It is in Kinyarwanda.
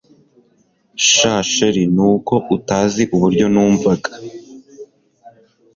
shn chr nuko utazi uburyo numvaga